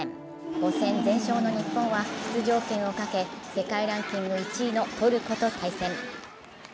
５戦全勝の日本は出場権をかけ世界ランキング１位のトルコと対戦。